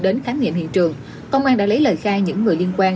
đến khám nghiệm hiện trường công an đã lấy lời khai những người liên quan